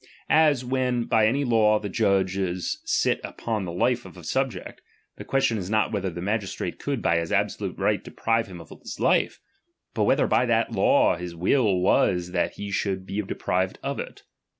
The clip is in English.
As, when by any law the judges sit upon the life of a subject, the question is not whether the magistrate could by his absolute right deprive him of his life ; but whether by that law his will was that he should be deprived of it.